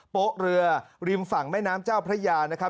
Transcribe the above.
โป๊ะเรือริมฝั่งแม่น้ำเจ้าพระยานะครับ